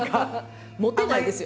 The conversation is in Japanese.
「モテない」ですよ。